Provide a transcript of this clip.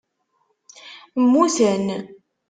Muten